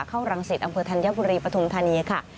ข้าวรังสิทธิ์อำเภอธัญบุรีปทุมธานียะค่ะ